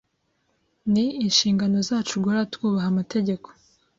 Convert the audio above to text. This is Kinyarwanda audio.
Ni inshingano zacu guhora twubaha amategeko.